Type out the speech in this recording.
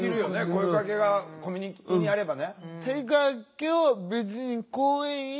声かけがコミュニティーにあればね。